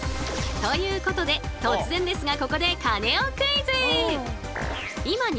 ということで突然ですがここでさあカネオクイズでございます。